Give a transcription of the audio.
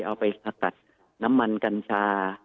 เอาไปสกัดน้ำมันกัญชา